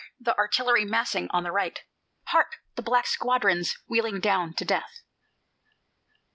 the artillery massing on the right, Hark! the black squadrons wheeling down to Death!